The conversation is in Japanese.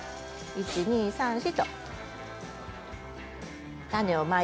１、２、３、４。